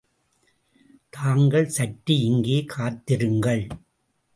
தாங்கள் சற்று இங்கே காத்திருங்கள்.